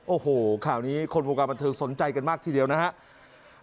โอ้โหข่าวนี้คนวงการบันเทิงสนใจกันมากทีเดียวนะครับ